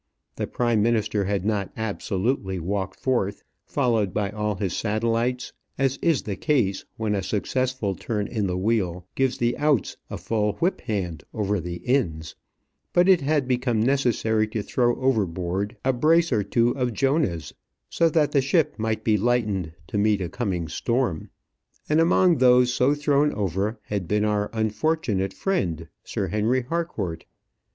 The prime minister had not absolutely walked forth, followed by all his satellites, as is the case when a successful turn in the wheel gives the outs a full whip hand over the ins, but it had become necessary to throw overboard a brace or two of Jonahs, so that the ship might be lightened to meet a coming storm; and among those so thrown over had been our unfortunate friend Sir Henry Harcourt.